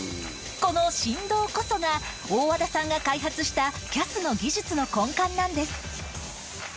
この振動こそが大和田さんが開発したＣＡＳの技術の根幹なんです